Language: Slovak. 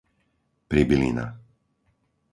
Pribylina